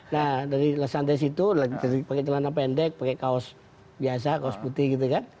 nah dari lesante situ lagi pakai celana pendek pakai kaos biasa kaos putih gitu kan